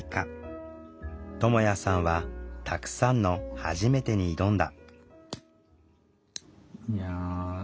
ともやさんはたくさんの「はじめて」に挑んだ。